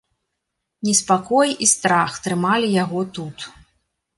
Неспакой і страх трымалі яго тут.